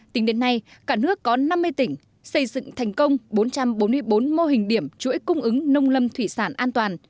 tính đến nay cả nước có năm mươi tỉnh xây dựng thành công bốn trăm bốn mươi bốn mô hình điểm chuỗi cung ứng nông lâm thủy sản an toàn